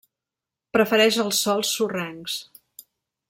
Prefereix els sòls sorrencs.